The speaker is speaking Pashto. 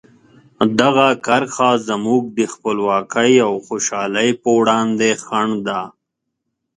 دغه کرښه زموږ د خپلواکۍ او خوشحالۍ په وړاندې خنډ ده.